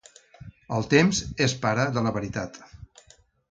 El temps és pare de la veritat.